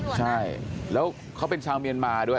ใช่แล้วเขาเป็นชาวเมียนมาด้วย